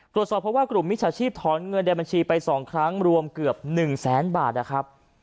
ตรวจสอบเพราะว่ากลุ่มมิจฉาชีพถอนเงินในบัญชีไป๒ครั้งรวมเกือบ๑แสนบาทนะครับ